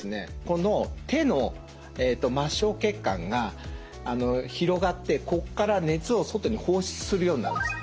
この手の末しょう血管が広がってここから熱を外に放出するようになるんです。